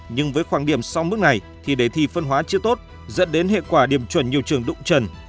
nhưng với khoảng điểm sau mức này thì đề thi phân hóa chưa tốt dẫn đến hệ quả điểm chuẩn nhiều trường đụng trần